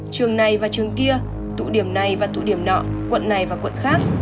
trường này và trường kia tụ điểm này và tụ điểm nọ quận này và quận khác